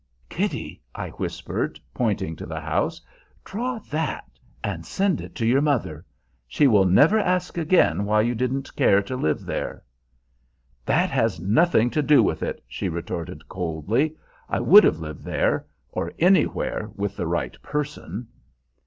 "Kitty," I whispered, pointing to the house, "draw that, and send it to your mother. She will never ask again why you didn't care to live there." "That has nothing to do with it," she retorted coldly. "I would have lived there, or anywhere, with the right person."